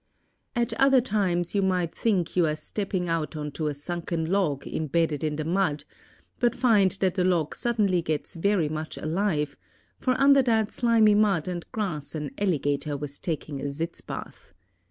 At other times you might think you are stepping out onto a sunken log imbedded in the mud, but find that the log suddenly gets very much alive, for under that slimy mud and grass an alligator was taking a sitz bath.